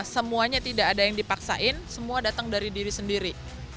semuanya tidak ada yang dipaksain semua datang dari diri sendiri